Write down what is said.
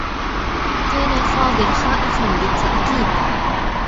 كان فاضل خائفا بالتأكيد.